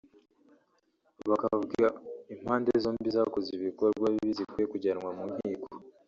bakavuga impande zombie zakoze ibikorwa bibi zikwiye kujyanwa mu nkiko